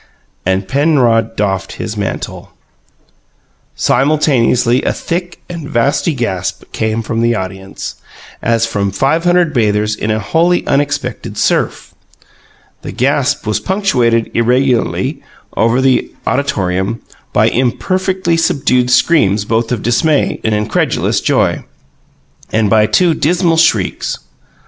And Penrod doffed his mantle. Simultaneously, a thick and vasty gasp came from the audience, as from five hundred bathers in a wholly unexpected surf. This gasp was punctuated irregularly, over the auditorium, by imperfectly subdued screams both of dismay and incredulous joy, and by two dismal shrieks.